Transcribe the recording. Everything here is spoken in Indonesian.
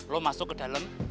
lo masuk ke dalam